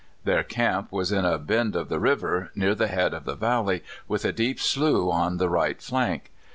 Their camp was in a bend of the river, near the head of the valley, with a deep slough on the right flank.